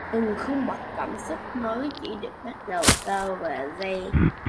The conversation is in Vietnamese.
Từng khung bậc cảm xúc mới chỉ được bắt đầu sau vài giây